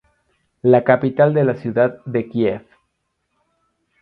La capital es la ciudad de Kiev.